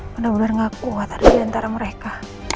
benar benar gak kuat ada diantara mereka